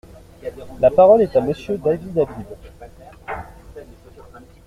La parole est à Monsieur David Habib.